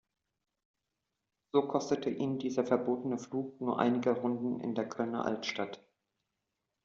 So kostete ihn dieser verbotene Flug nur einige Runden in der Kölner Altstadt.